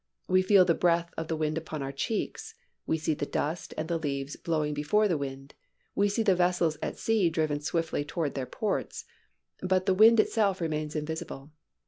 We feel the breath of the wind upon our cheeks, we see the dust and the leaves blowing before the wind, we see the vessels at sea driven swiftly towards their ports; but the wind itself remains invisible.